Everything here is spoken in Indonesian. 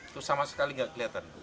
terus sama sekali nggak kelihatan